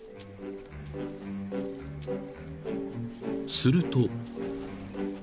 ［すると］